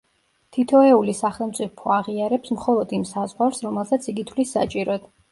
თითოეული სახელმწიფო აღიარებს მხოლოდ იმ საზღვარს, რომელსაც იგი თვლის საჭიროდ.